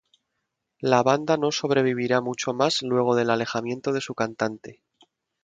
La banda no sobreviviría mucho más luego del alejamiento de su cantante.